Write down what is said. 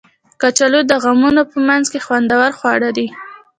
کچالو د غمونو په منځ کې خوندور خواړه دي